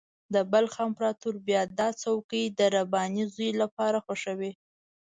د بلخ امپراطور بیا دا څوکۍ د رباني زوی لپاره خوښوي.